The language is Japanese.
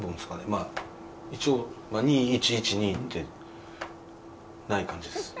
まあ一応２１１２ってない感じです